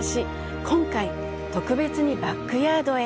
今回、特別にバックヤードへ。